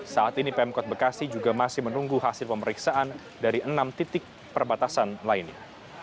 saat ini pemkot bekasi juga masih menunggu hasil pemeriksaan dari enam titik perbatasan lainnya